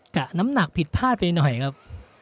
ะน้ำหนักผิดพลาดไปหน่อยครับ